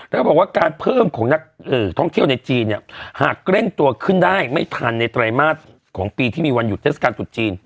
แล้วก็บอกว่าการเพิ่มของนักท่องเที่ยวในจีนเนี่ยหากเร่งตัวขึ้นได้ไม่ทันในไตรมาสของปีที่มีวันหยุดเทศกาลตรุษจีน